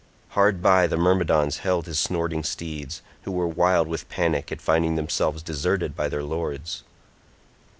Hard by the Myrmidons held his snorting steeds, who were wild with panic at finding themselves deserted by their lords.